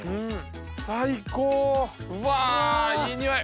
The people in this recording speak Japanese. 最高うわいい匂い！